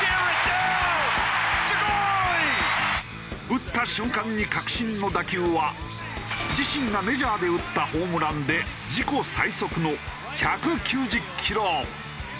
打った瞬間に確信の打球は自身がメジャーで打ったホームランで自己最速の１９０キロ。